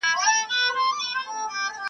خبر اوسه چي دي نور ازارومه,